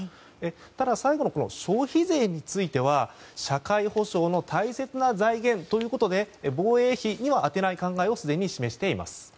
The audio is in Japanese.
ただ、最後の消費税については社会保障の大切な財源ということで防衛費には当てない考えをすでに示しています。